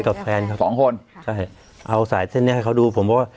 กับแฟนเขาสองคนใช่เอาสายเส้นนี้ให้เขาดูผมเพราะว่า